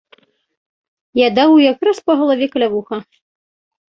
Я даў і якраз па галаве каля вуха.